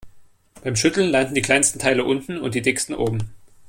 Beim Schütteln landen die kleinsten Teile unten und die dicksten oben.